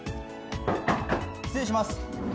失礼します